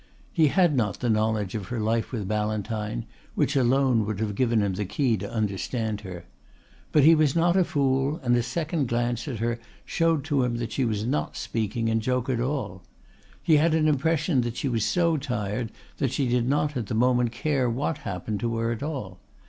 He had not the knowledge of her life with Ballantyne, which alone would have given him the key to understand her. But he was not a fool, and a second glance at her showed to him that she was not speaking in joke at all. He had an impression that she was so tired that she did not at the moment care what happened to her at all.